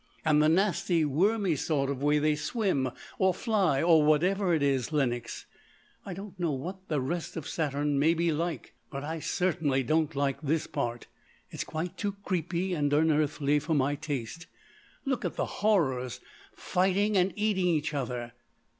And the nasty wormy sort of way they swim, or fly, or whatever it is. Lenox, I don't know what the rest of Saturn may be like, but I certainly don't like this part. It's quite too creepy and unearthly for my taste. Look at the horrors fighting and eating each other.